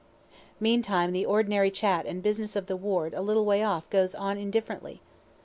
Meantime the ordinary chat and business of the ward a little way off goes on indifferently.